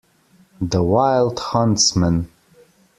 The wild huntsman.